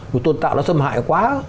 một tôn tạo nó xâm hại quá